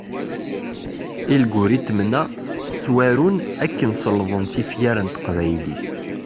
Ilguritment-a ttwaru akken selḍen tifyar n teqbaylit.